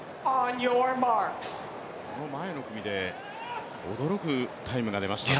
この前の組で驚くタイムが出ましたね。